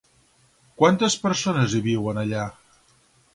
Quantes persones hi viuen allà?